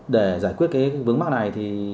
để giải quyết cái vướng mắc này thì